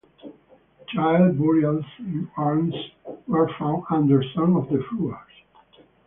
Child burials in urns were found under some of the floors.